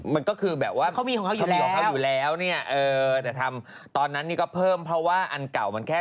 มันก็คือแบบว่าเขามีของเขาอยู่แล้วเนี่ยแต่ทำตอนนั้นก็เพิ่มเพราะว่าอันเก่ามันแค่๓๐๕